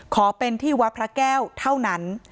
ขอเป็นที่วัดพระแก้วเท่านั้น